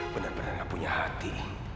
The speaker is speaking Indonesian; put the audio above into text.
benar benar gak punya hati